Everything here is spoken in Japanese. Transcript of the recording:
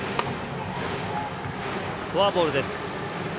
フォアボールです。